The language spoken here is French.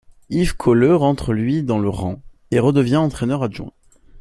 Yves Colleu rentre lui dans le rang, et redevient entraîneur-adjoint.